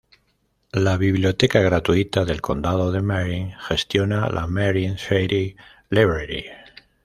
La Biblioteca Gratuita del Condado de Marin gestiona la Marin City Library.